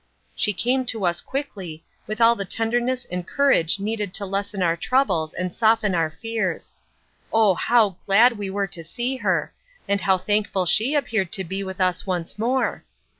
She came to us quickly, with all the tenderness and courage needed to lessen our troubles and soften our fears. Oh, how glad we were to see her, and how thankful she appeared to be with us once more!